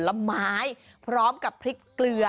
ส่วนเมนูที่ว่าคืออะไรติดตามในช่วงตลอดกิน